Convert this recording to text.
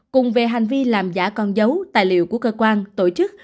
cùng về hành vi làm giả con dấu tài liệu của cơ quan tổ chức